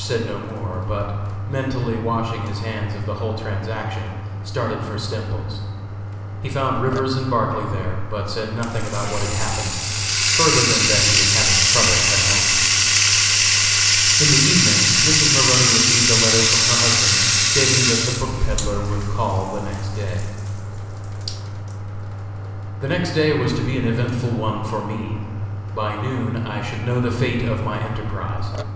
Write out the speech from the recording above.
said no more, but mentally washing his hands of the whole transaction, started for Stemples's. He found Rivers and Barclay there, but said nothing about what had happened, further than that he was having trouble at home. In the evening Mrs. Maroney received a letter from her husband, stating that the book peddler would call the next day. The next day was to be an eventful one for me. By noon I should know the fate of my enterprise.